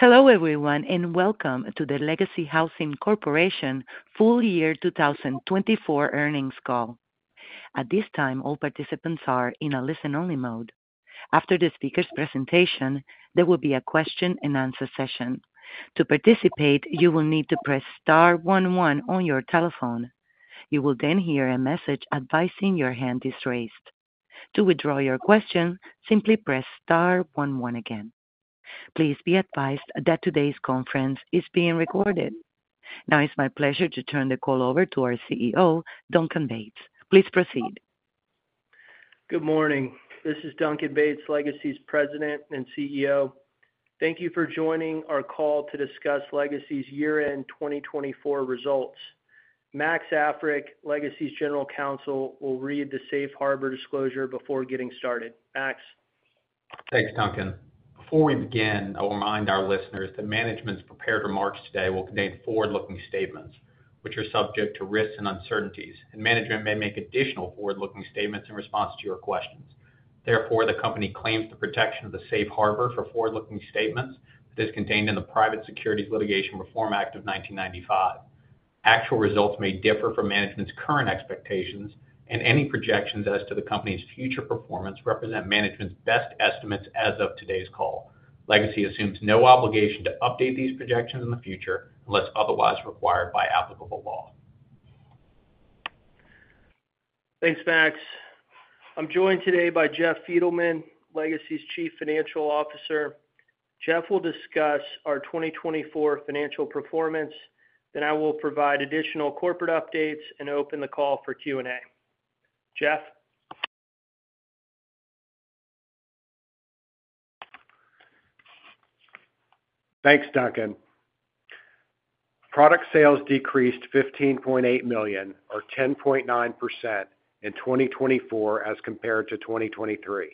Hello everyone and welcome to the Legacy Housing Corporation Full Year 2024 Earnings Call. At this time, all participants are in a listen-only mode. After the speaker's presentation, there will be a question-and-answer session. To participate, you will need to press star one one on your telephone. You will then hear a message advising your hand is raised. To withdraw your question, simply press star one one again. Please be advised that today's conference is being recorded. Now, it's my pleasure to turn the call over to our CEO, Duncan Bates. Please proceed. Good morning. This is Duncan Bates, Legacy's President and CEO. Thank you for joining our call to discuss Legacy's year-end 2024 results. Max Africk, Legacy's General Counsel, will read the Safe Harbor Disclosure before getting started. Max. Thanks, Duncan. Before we begin, I will remind our listeners that management's prepared remarks today will contain forward-looking statements, which are subject to risks and uncertainties, and management may make additional forward-looking statements in response to your questions. Therefore, the company claims the protection of the safe harbor for forward-looking statements that is contained in the Private Securities Litigation Reform Act of 1995. Actual results may differ from management's current expectations, and any projections as to the company's future performance represent management's best estimates as of today's call. Legacy assumes no obligation to update these projections in the future unless otherwise required by applicable law. Thanks, Max. I'm joined today by Jeffrey Fiedelman, Legacy's Chief Financial Officer. Jeff will discuss our 2024 financial performance, then I will provide additional corporate updates and open the call for Q&A. Jeff. Thanks, Duncan. Product sales decreased $15.8 million, or 10.9%, in 2024 as compared to 2023.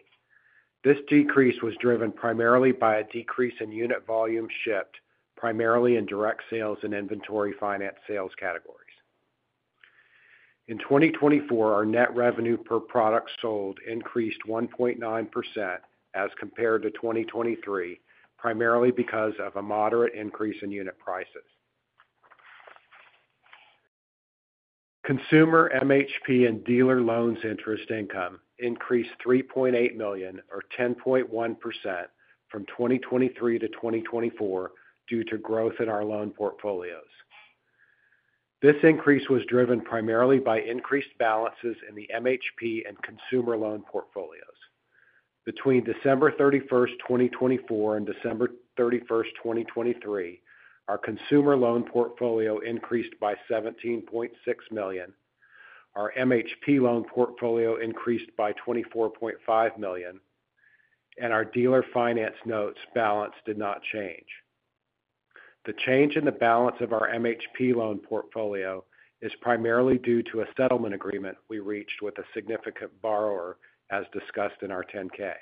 This decrease was driven primarily by a decrease in unit volume shipped, primarily in direct sales and inventory finance sales categories. In 2024, our net revenue per product sold increased 1.9% as compared to 2023, primarily because of a moderate increase in unit prices. Consumer, MHP and dealer loans interest income increased $3.8 million, or 10.1%, from 2023 to 2024 due to growth in our loan portfolios. This increase was driven primarily by increased balances in the MHP and consumer loan portfolios. Between December 31, 2024, and December 31, 2023, our consumer loan portfolio increased by $17.6 million, our MHP loan portfolio increased by $24.5 million, and our dealer finance notes balance did not change. The change in the balance of our MHP loan portfolio is primarily due to a settlement agreement we reached with a significant borrower, as discussed in our Form 10-K.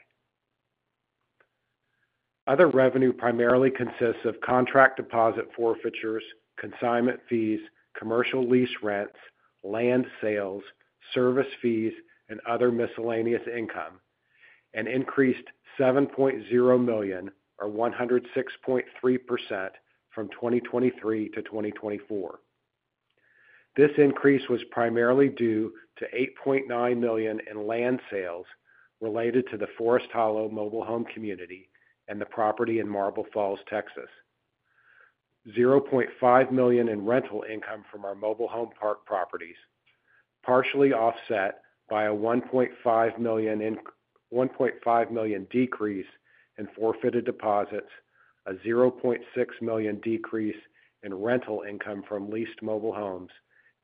Other revenue primarily consists of contract deposit forfeitures, consignment fees, commercial lease rents, land sales, service fees, and other miscellaneous income, and increased $7.0 million, or 106.3%, from 2023 to 2024. This increase was primarily due to $8.9 million in land sales related to the Forest Hollow mobile home community and the property in Marble Falls, Texas, $0.5 million in rental income from our mobile home park properties, partially offset by a $1.5 million decrease in forfeited deposits, a $0.6 million decrease in rental income from leased mobile homes,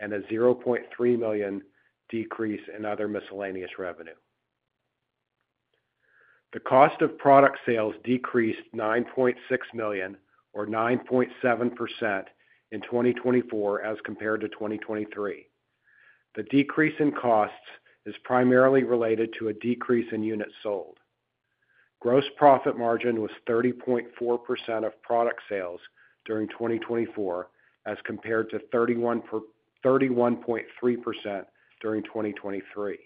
and a $0.3 million decrease in other miscellaneous revenue. The cost of product sales decreased $9.6 million, or 9.7%, in 2024 as compared to 2023. The decrease in costs is primarily related to a decrease in units sold. Gross profit margin was 30.4% of product sales during 2024 as compared to 31.3% during 2023.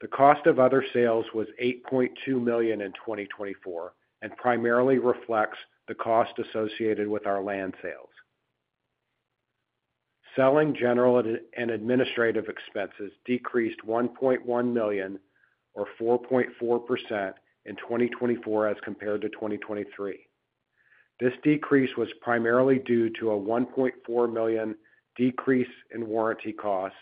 The cost of other sales was $8.2 million in 2024 and primarily reflects the cost associated with our land sales. Selling, general, and administrative expenses decreased $1.1 million, or 4.4%, in 2024 as compared to 2023. This decrease was primarily due to a $1.4 million decrease in warranty costs,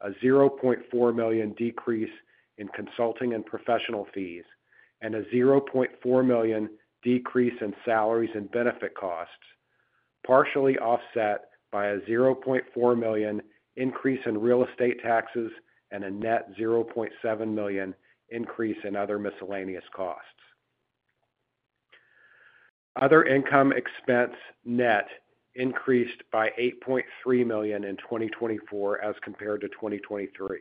a $0.4 million decrease in consulting and professional fees, and a $0.4 million decrease in salaries and benefit costs, partially offset by a $0.4 million increase in real estate taxes and a net $0.7 million increase in other miscellaneous costs. Other income expense net increased by $8.3 million in 2024 as compared to 2023.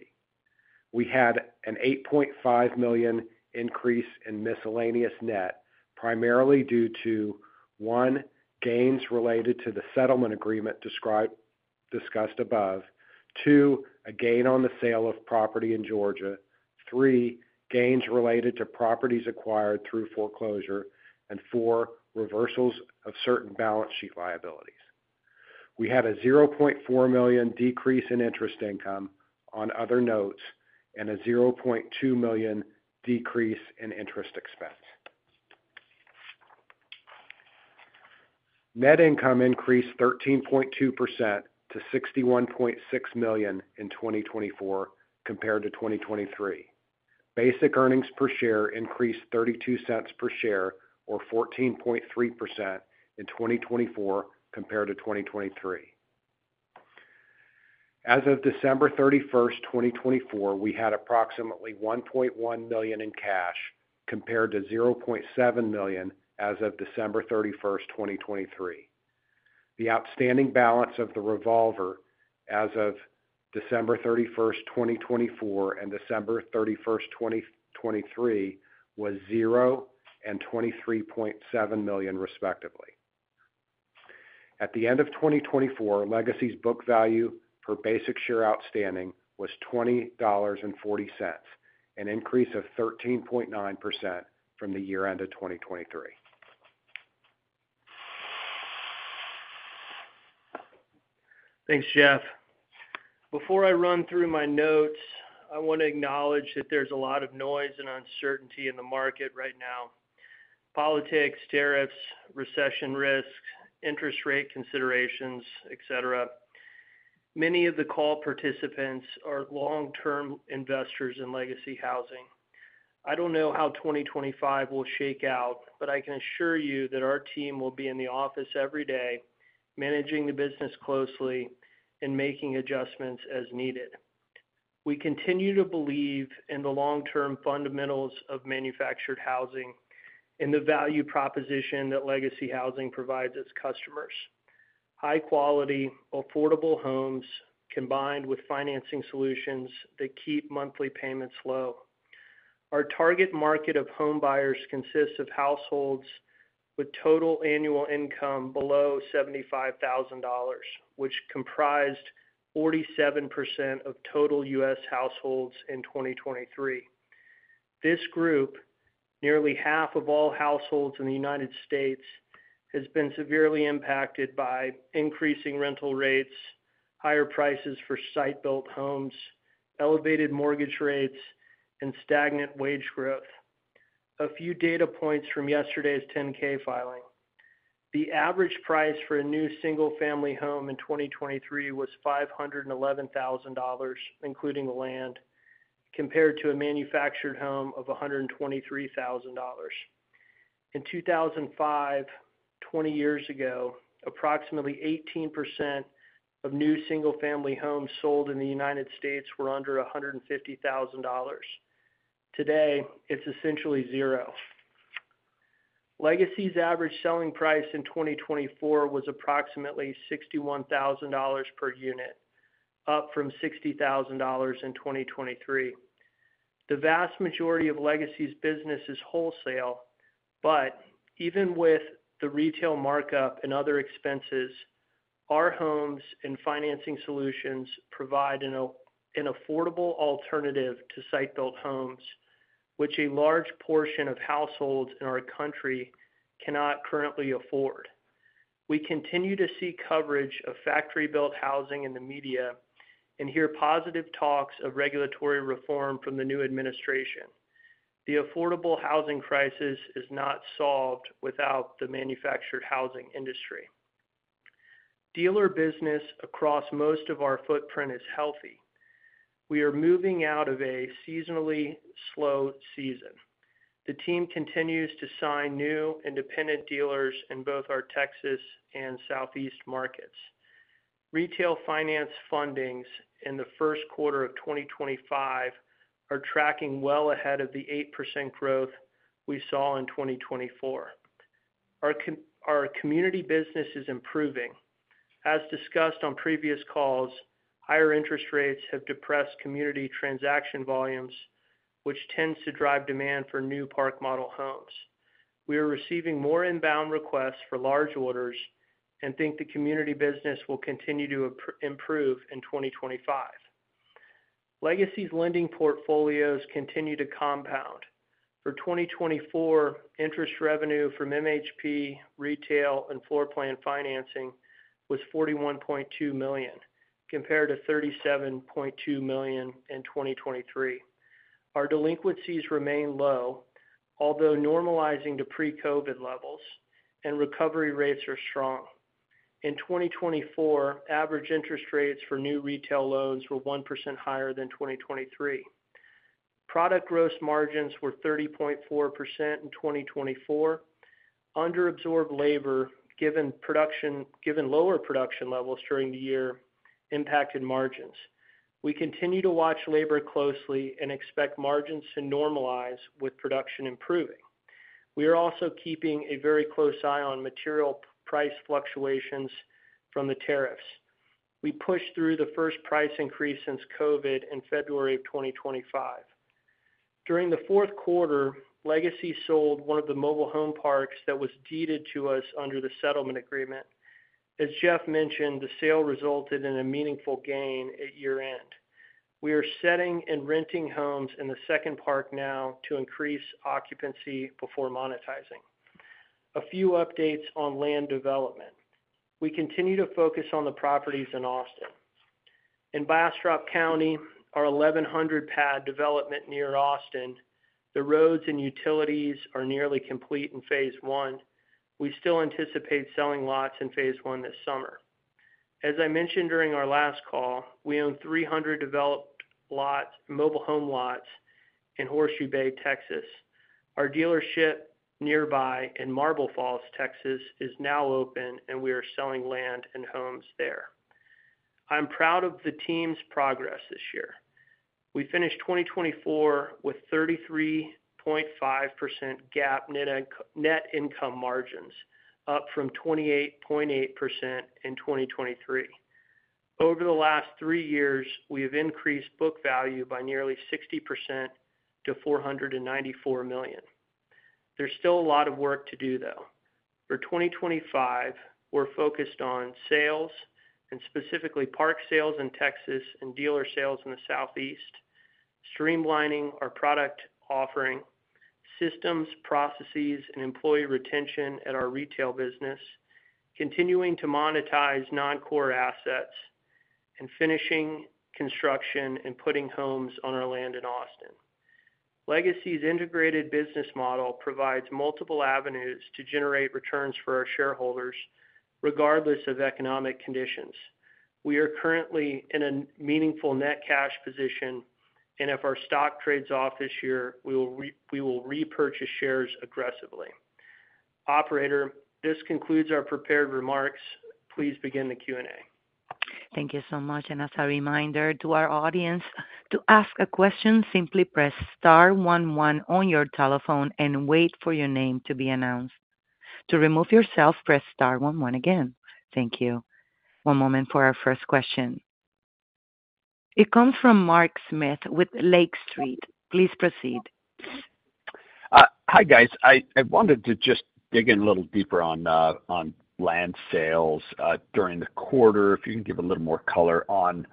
We had an $8.5 million increase in miscellaneous net, primarily due to: one, gains related to the settlement agreement discussed above; two, a gain on the sale of property in Georgia; three, gains related to properties acquired through foreclosure; and four, reversals of certain balance sheet liabilities. We had a $0.4 million decrease in interest income on other notes and a $0.2 million decrease in interest expense. Net income increased 13.2% to $61.6 million in 2024 compared to 2023. Basic earnings per share increased $0.32 per share, or 14.3%, in 2024 compared to 2023. As of December 31, 2024, we had approximately $1.1 million in cash compared to $0.7 million as of December 31st, 2023. The outstanding balance of the revolver as of December 31st, 2024, and December 31st, 2023, was $0 and $23.7 million, respectively. At the end of 2024, Legacy's book value per basic share outstanding was $20.40, an increase of 13.9% from the year-end of 2023. Thanks, Jeff. Before I run through my notes, I want to acknowledge that there's a lot of noise and uncertainty in the market right now: politics, tariffs, recession risks, interest rate considerations, etc. Many of the call participants are long-term investors in Legacy Housing. I don't know how 2025 will shake out, but I can assure you that our team will be in the office every day, managing the business closely, and making adjustments as needed. We continue to believe in the long-term fundamentals of manufactured housing and the value proposition that Legacy Housing provides its customers: high-quality, affordable homes combined with financing solutions that keep monthly payments low. Our target market of home buyers consists of households with total annual income below $75,000, which comprised 47% of total U.S. households in 2023. This group, nearly half of all households in the U.S., has been severely impacted by increasing rental rates, higher prices for site-built homes, elevated mortgage rates, and stagnant wage growth. A few data points from yesterday's Form 10-K filing: the average price for a new single-family home in 2023 was $511,000, including the land, compared to a manufactured home of $123,000. In 2005, 20 years ago, approximately 18% of new single-family homes sold in the U.S. were under $150,000. Today, it's essentially zero. Legacy's average selling price in 2024 was approximately $61,000 per unit, up from $60,000 in 2023. The vast majority of Legacy's business is wholesale, but even with the retail markup and other expenses, our homes and financing solutions provide an affordable alternative to site-built homes, which a large portion of households in our country cannot currently afford. We continue to see coverage of factory-built housing in the media and hear positive talks of regulatory reform from the new administration. The affordable housing crisis is not solved without the manufactured housing industry. Dealer business across most of our footprint is healthy. We are moving out of a seasonally slow season. The team continues to sign new independent dealers in both our Texas and Southeast markets. Retail finance fundings in the first quarter of 2025 are tracking well ahead of the 8% growth we saw in 2024. Our community business is improving. As discussed on previous calls, higher interest rates have depressed community transaction volumes, which tends to drive demand for new park model homes. We are receiving more inbound requests for large orders and think the community business will continue to improve in 2025. Legacy's lending portfolios continue to compound. For 2024, interest revenue from MHP, retail, and floor plan financing was $41.2 million, compared to $37.2 million in 2023. Our delinquencies remain low, although normalizing to pre-COVID levels, and recovery rates are strong. In 2024, average interest rates for new retail loans were 1% higher than 2023. Product gross margins were 30.4% in 2024. Under-absorbed labor, given lower production levels during the year, impacted margins. We continue to watch labor closely and expect margins to normalize with production improving. We are also keeping a very close eye on material price fluctuations from the tariffs. We pushed through the first price increase since COVID in February of 2025. During the fourth quarter, Legacy sold one of the mobile home parks that was deeded to us under the settlement agreement. As Jeff mentioned, the sale resulted in a meaningful gain at year-end. We are setting and renting homes in the second park now to increase occupancy before monetizing. A few updates on land development. We continue to focus on the properties in Austin. In Bastrop County, our 1,100-pad development near Austin, the roads and utilities are nearly complete in phase one. We still anticipate selling lots in phase one this summer. As I mentioned during our last call, we own 300 developed mobile home lots in Horseshoe Bay, Texas. Our dealership nearby in Marble Falls, Texas, is now open, and we are selling land and homes there. I'm proud of the team's progress this year. We finished 2024 with 33.5% GAAP net income margins, up from 28.8% in 2023. Over the last three years, we have increased book value by nearly 60% to $494 million. There's still a lot of work to do, though. For 2025, we're focused on sales, and specifically park sales in Texas and dealer sales in the Southeast, streamlining our product offering, systems, processes, and employee retention at our retail business, continuing to monetize non-core assets, and finishing construction and putting homes on our land in Austin. Legacy's integrated business model provides multiple avenues to generate returns for our shareholders, regardless of economic conditions. We are currently in a meaningful net cash position, and if our stock trades off this year, we will repurchase shares aggressively. Operator, this concludes our prepared remarks. Please begin the Q&A. Thank you so much. As a reminder to our audience, to ask a question, simply press star one one on your telephone and wait for your name to be announced. To remove yourself, press star one one again. Thank you. One moment for our first question. It comes from Mark Smith with Lake Street. Please proceed. Hi, guys. I wanted to just dig in a little deeper on land sales during the quarter, if you can give a little more color on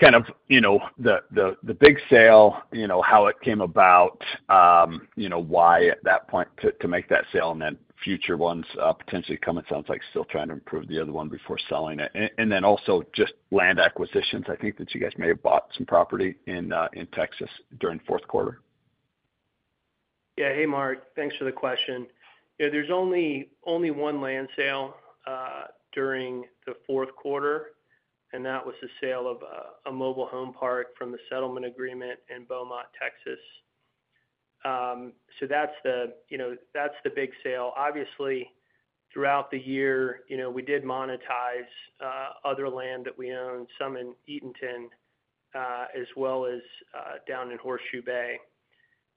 kind of the big sale, how it came about, why at that point to make that sale, and then future ones potentially come. It sounds like still trying to improve the other one before selling it. Also just land acquisitions. I think that you guys may have bought some property in Texas during fourth quarter. Yeah. Hey, Mark. Thanks for the question. There is only one land sale during the fourth quarter, and that was the sale of a mobile home park from the settlement agreement in Beaumont, Texas. That is the big sale. Obviously, throughout the year, we did monetize other land that we owned, some in Eatonton as well as down in Horseshoe Bay.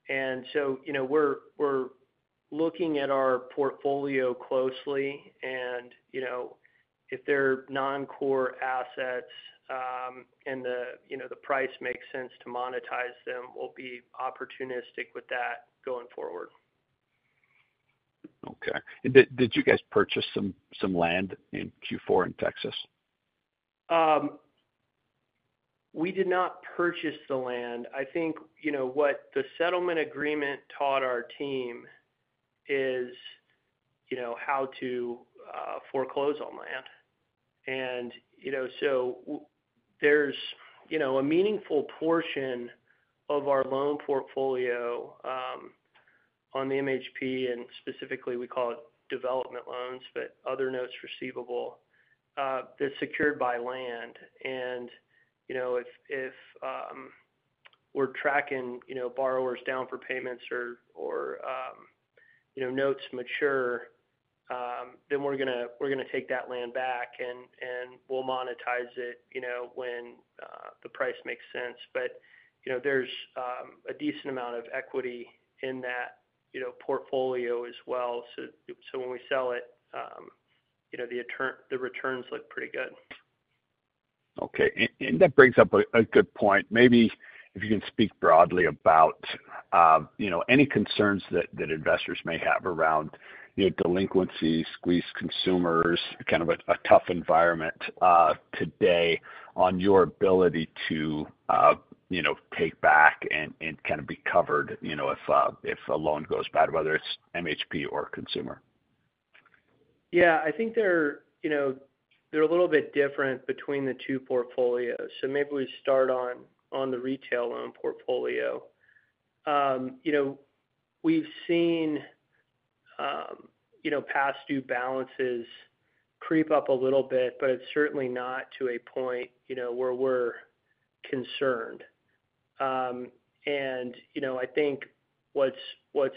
We are looking at our portfolio closely, and if they are non-core assets and the price makes sense to monetize them, we will be opportunistic with that going forward. Okay. Did you guys purchase some land in Q4 in Texas? We did not purchase the land. I think what the settlement agreement taught our team is how to foreclose on land. There is a meaningful portion of our loan portfolio on the MHP, and specifically, we call it development loans, but other notes receivable that is secured by land. If we are tracking borrowers down for payments or notes mature, we are going to take that land back, and we will monetize it when the price makes sense. There is a decent amount of equity in that portfolio as well. When we sell it, the returns look pretty good. Okay. That brings up a good point. Maybe if you can speak broadly about any concerns that investors may have around delinquencies, squeezed consumers, kind of a tough environment today on your ability to take back and kind of be covered if a loan goes bad, whether it's MHP or consumer. Yeah. I think they're a little bit different between the two portfolios. Maybe we start on the retail loan portfolio. We've seen past due balances creep up a little bit, but it's certainly not to a point where we're concerned. I think what's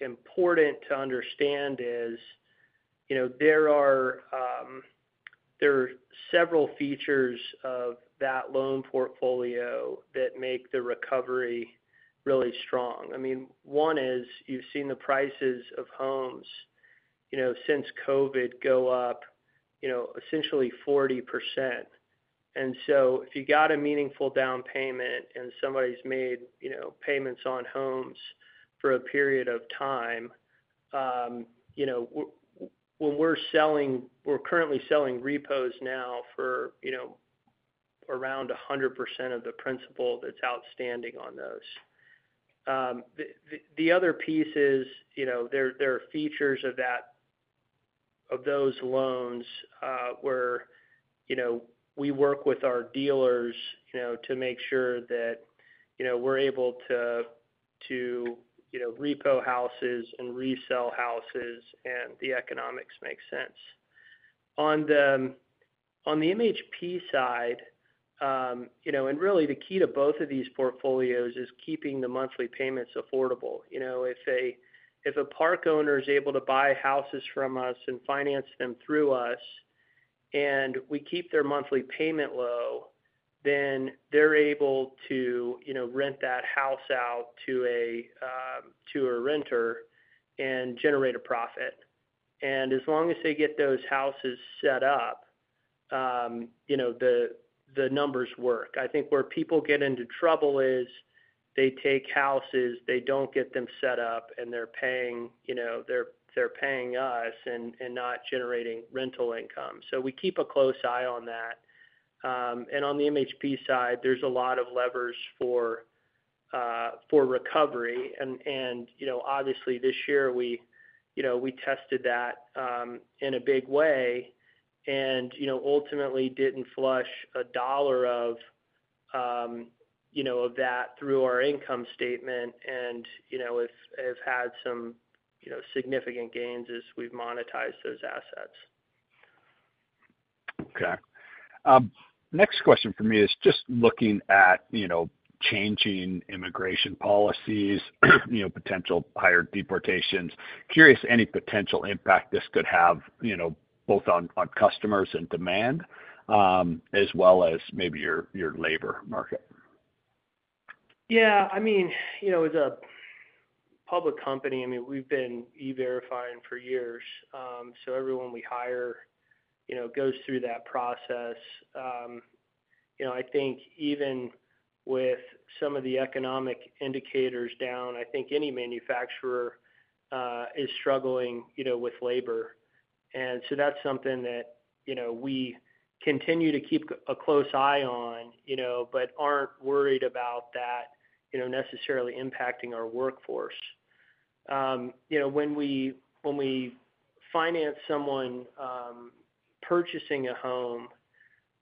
important to understand is there are several features of that loan portfolio that make the recovery really strong. I mean, one is you've seen the prices of homes since COVID go up essentially 40%. If you got a meaningful down payment and somebody's made payments on homes for a period of time, we're currently selling repos now for around 100% of the principal that's outstanding on those. The other piece is there are features of those loans where we work with our dealers to make sure that we're able to repo houses and resell houses and the economics make sense. On the MHP side, and really the key to both of these portfolios is keeping the monthly payments affordable. If a park owner is able to buy houses from us and finance them through us, and we keep their monthly payment low, then they're able to rent that house out to a renter and generate a profit. As long as they get those houses set up, the numbers work. I think where people get into trouble is they take houses, they do not get them set up, and they're paying us and not generating rental income. We keep a close eye on that. On the MHP side, there are a lot of levers for recovery. Obviously, this year, we tested that in a big way and ultimately did not flush a dollar of that through our income statement and have had some significant gains as we've monetized those assets. Okay. Next question for me is just looking at changing immigration policies, potential higher deportations. Curious any potential impact this could have both on customers and demand as well as maybe your labor market. Yeah. I mean, as a public company, I mean, we've been E-Verify-ing for years. So everyone we hire goes through that process. I think even with some of the economic indicators down, I think any manufacturer is struggling with labor. That is something that we continue to keep a close eye on, but are not worried about that necessarily impacting our workforce. When we finance someone purchasing a home,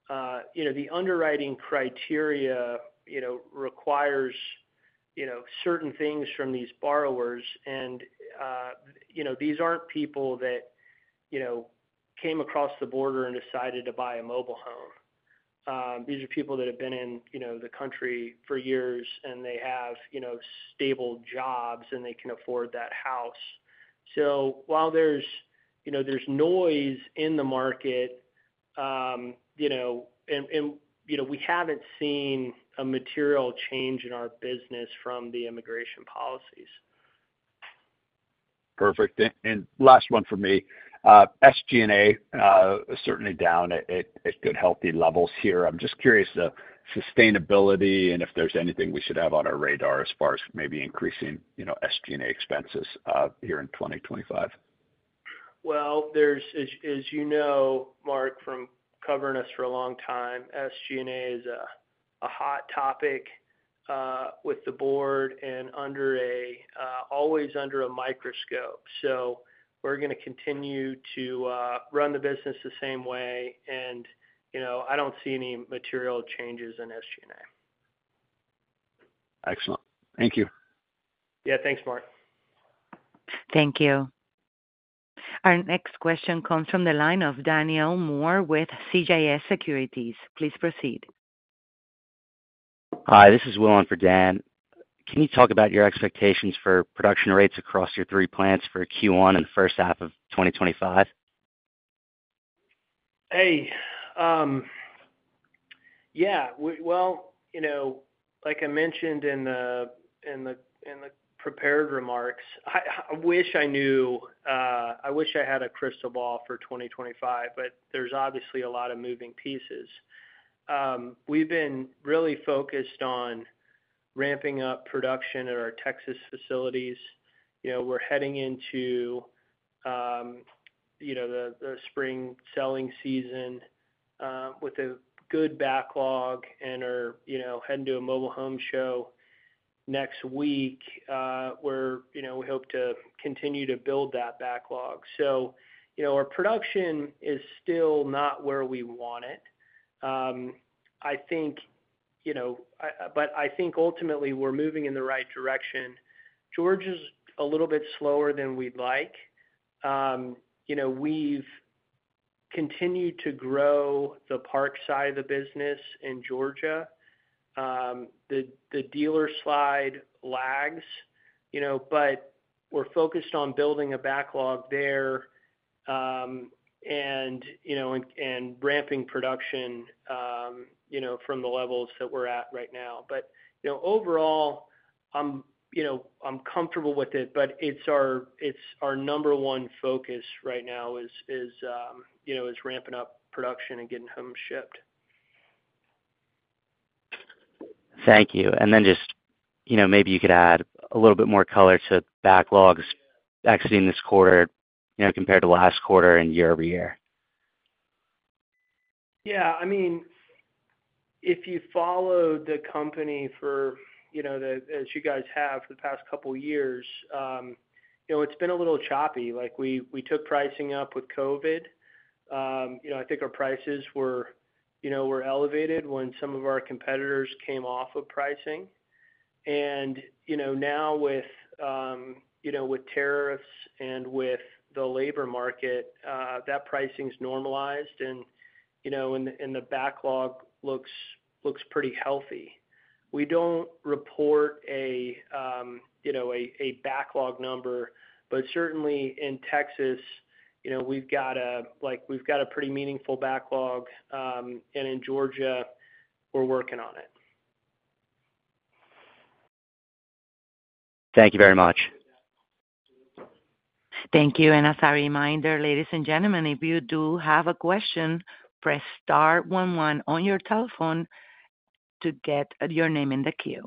the underwriting criteria requires certain things from these borrowers. These are not people that came across the border and decided to buy a mobile home. These are people that have been in the country for years, and they have stable jobs, and they can afford that house. While there is noise in the market, we have not seen a material change in our business from the immigration policies. Perfect. Last one for me. SG&A is certainly down at good, healthy levels here. I'm just curious the sustainability and if there's anything we should have on our radar as far as maybe increasing SG&A expenses here in 2025. As you know, Mark, from covering us for a long time, SG&A is a hot topic with the board and always under a microscope. We're going to continue to run the business the same way. I don't see any material changes in SG&A. Excellent. Thank you. Yeah. Thanks, Mark. Thank you. Our next question comes from the line of Daniel Moore with CJS Securities. Please proceed. Hi. This is Will on for Dan. Can you talk about your expectations for production rates across your three plants for Q1 and the first half of 2025? Hey. Yeah. Like I mentioned in the prepared remarks, I wish I knew, I wish I had a crystal ball for 2025, but there's obviously a lot of moving pieces. We've been really focused on ramping up production at our Texas facilities. We're heading into the spring selling season with a good backlog and are heading to a mobile home show next week where we hope to continue to build that backlog. Our production is still not where we want it, I think, but I think ultimately we're moving in the right direction. Georgia's a little bit slower than we'd like. We've continued to grow the park side of the business in Georgia. The dealer side lags, but we're focused on building a backlog there and ramping production from the levels that we're at right now. Overall, I'm comfortable with it, but it's our number one focus right now is ramping up production and getting homes shipped. Thank you. Maybe you could add a little bit more color to backlogs exiting this quarter compared to last quarter and year-over-year. Yeah. I mean, if you follow the company for as you guys have for the past couple of years, it's been a little choppy. We took pricing up with COVID. I think our prices were elevated when some of our competitors came off of pricing. Now with tariffs and with the labor market, that pricing's normalized, and the backlog looks pretty healthy. We do not report a backlog number, but certainly in Texas, we have a pretty meaningful backlog, and in Georgia, we are working on it. Thank you very much. Thank you. As a reminder, ladies and gentlemen, if you do have a question, press star one one on your telephone to get your name in the queue.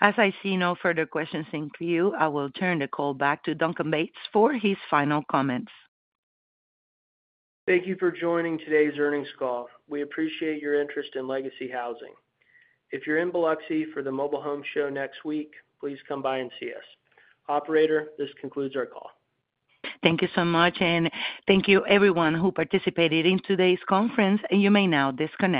As I see no further questions in queue, I will turn the call back to Duncan Bates for his final comments. Thank you for joining today's earnings call. We appreciate your interest in Legacy Housing. If you're in Biloxi for the mobile home show next week, please come by and see us. Operator, this concludes our call. Thank you so much, and thank you everyone who participated in today's conference. You may now disconnect.